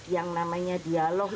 yang namanya dialog